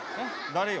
誰よ。